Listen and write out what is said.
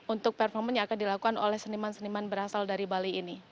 untuk performa yang akan dilakukan oleh seniman seniman berasal dari bali ini